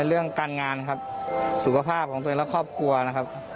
เรื่องการงานครับสุขภาพของตัวเองและครอบครัวนะครับ